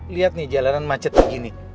lihat nih jalanan macet begini